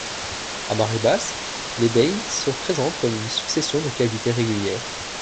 À marée basse, les baïnes se présentent comme une succession de cavités régulières.